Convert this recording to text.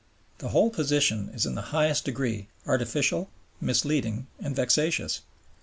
The whole position is in the highest degree artificial, misleading, and vexatious.